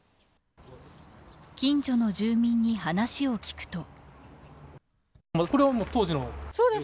近所の住民に話を聞くと。